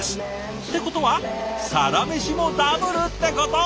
ってことはサラメシもダブルってこと！